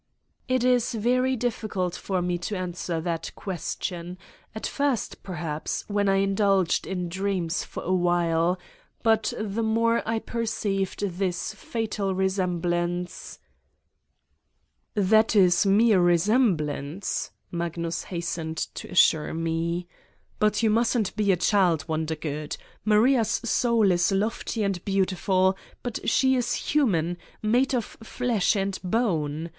"It is very difficult for me to answer that ques tion. At first, perhaps when I indulged in dreams for a while but the more I perceived this fatal resemblance ...' "That is mere resemblance," Magnus hastened to assure me : "But you mustn't be a child, Won dergood! Maria's soul is lofty and beautiful, but she is human, made of flesh and bone.